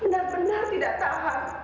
benar benar tidak tahan